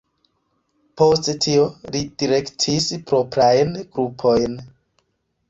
Post tio li direktis proprajn grupojn.